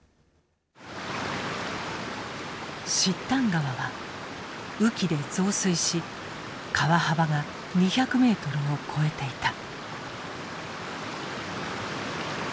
河は雨季で増水し川幅が２００ｍを超えていた。